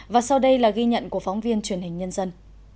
và sau đây là ghi nhận của phóng viên truyền hình nhân dân